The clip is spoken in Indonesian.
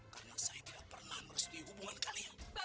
karena saya tidak pernah merestui hubungan kalian